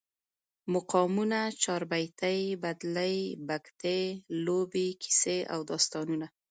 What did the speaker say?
مقامونه، چاربیتې، بدلې، بګتی، لوبې، کیسې او داستانونه